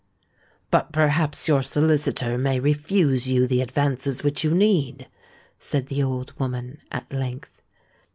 "But perhaps your solicitor may refuse you the advances which you need?" said the old woman at length.